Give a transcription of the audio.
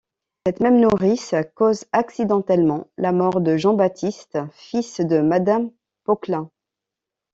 Cette même nourrice cause accidentellement la mort de Jean-Baptiste, fils de madame Poquelin.